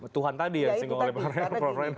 tuhan tadi yang singgung oleh prof reina